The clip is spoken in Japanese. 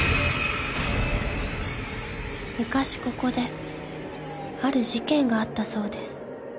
［昔ここである事件があったそうです］